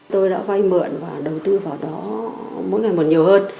mỗi ngày mở nhiều hơn